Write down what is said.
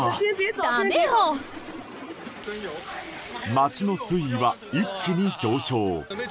街の水位は一気に上昇。